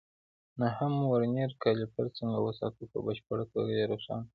نهم: ورنیر کالیپر څنګه وساتو؟ په بشپړه توګه یې روښانه کړئ.